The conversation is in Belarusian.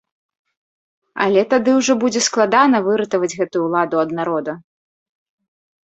Але тады ўжо будзе складана выратаваць гэтую ўладу ад народа.